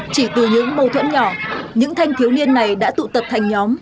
chỉ từ những mâu thuẫn nhỏ những thanh thiếu niên này đã tụ tập thành nhóm